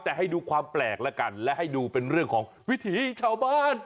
แต่ให้ดูความแปลกแล้วกันและให้ดูเป็นเรื่องของวิถีชาวบ้าน